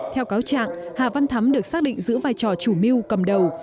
theo cáo trạng hà văn thắm được xác định giữ vai trò chủ mưu cầm đầu